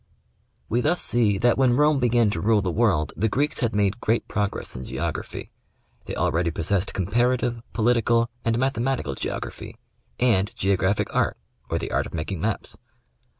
We thus see that when Rome began to rule the world, the Greeks had made great progress in geography. They already possessed Comparative, Political and Mathematical Geography, and Geographic Art, or the art of making maps.